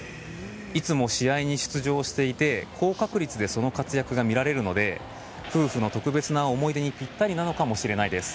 いつも試合に出場していて高確率でその活躍が見られるので夫婦の特別な思い出にぴったりなのかもしれません。